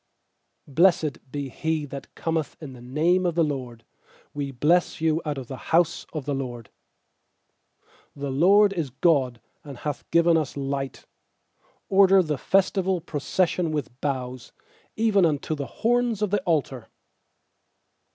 26Blessed be he that cometh in the name of the LORD; We bless you out of the house of the LORD. 27The LORD is God, and hath given us light; Order the festival procession with boughs, even unto the horns of the altar.